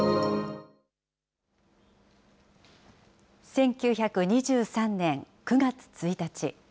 １９２３年９月１日。